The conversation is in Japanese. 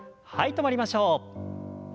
止まりましょう。